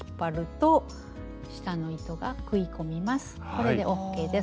これでＯＫです。